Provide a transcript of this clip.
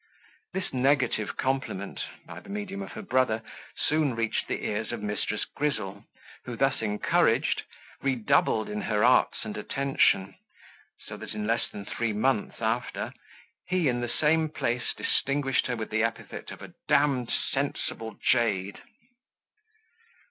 This negative compliment, by the medium of her brother, soon reached the ears of Mrs. Grizzle, who, thus encouraged, redoubled in her arts and attention; so that, in less than three months after, he in the same place distinguished her with the epithet of a d d sensible jade.